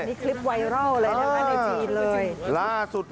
นี่คลิปไวร่าวเลยนะฮะในจีนเลย